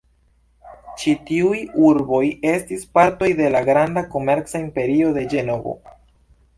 Ĉi tiuj urboj estis partoj da la granda komerca imperio de Ĝenovo.